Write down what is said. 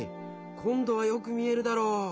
こんどはよく見えるだろう。